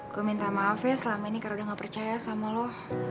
gue minta maaf ya selama ini karena udah gak percaya sama lo